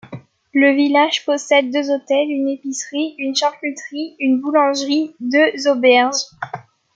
Le village possède deux hôtels, une épicerie, une charcuterie, une boulangerie, deux auberges.